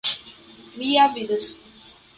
Mi ja vidas.